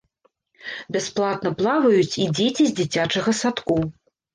Бясплатна плаваюць і дзеці з дзіцячага садку.